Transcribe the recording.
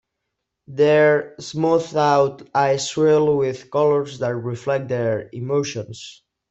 Their smoothed out eyes swirl with colors that reflect their emotions.